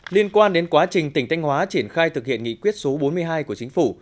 liên quan đến quá trình tỉnh thanh hóa triển khai thực hiện nghị quyết số bốn mươi hai của chính phủ